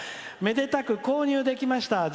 めでたく購入できました。